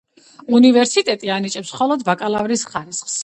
უნივერსიტეტი ანიჭებს მხოლოდ ბაკალავრის ხარისხს.